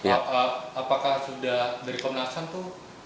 apakah sudah dari komnas ham itu